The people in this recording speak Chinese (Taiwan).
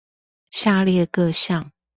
下列各項